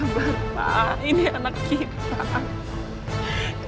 bapak ini anak kita